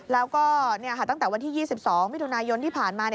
แล้วก็ตั้งแต่วันที่๒๒มิถุนายนที่ผ่านมา